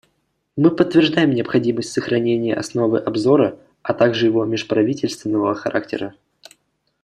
Мы подтверждаем необходимость сохранения основы обзора, а также его межправительственного характера.